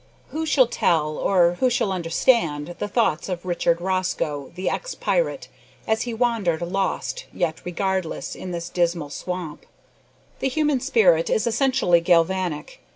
Who shall tell, or who shall understand, the thoughts of Richard Rosco, the ex pirate, as he wandered, lost yet regardless, in that dismal swamp? The human spirit is essentially galvanic.